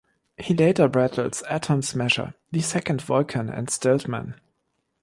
He later battles Atom-Smasher, the second Vulcan, and Stilt-Man.